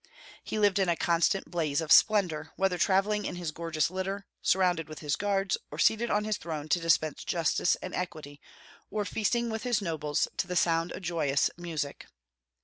He lived in a constant blaze of splendor, whether travelling in his gorgeous litter, surrounded with his guards, or seated on his throne to dispense justice and equity, or feasting with his nobles to the sound of joyous music.